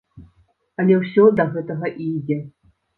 Але ўсё да гэтага і ідзе.